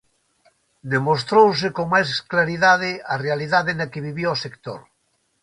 Demostrouse con máis claridade a realidade na que vivía o sector.